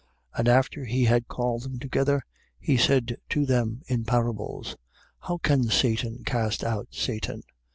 3:23. And after he had called them together, he said to them in parables: How can Satan cast out Satan?